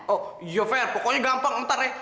oh iya fair pokoknya gampang ntar ya